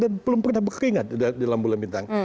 dan belum pernah berkeringat dalam belam bintang